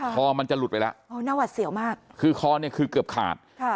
คอมันจะหลุดไปแล้วคอเนี่ยคือเกือบขาด